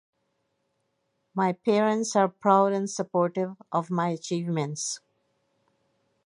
My parents are proud and supportive of my achievements.